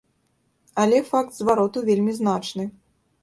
Але факт звароту вельмі значны.